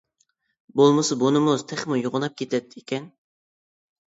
بولمىسا بۇ نومۇس تېخىمۇ يوغىناپ كېتەتتى ئىكەن.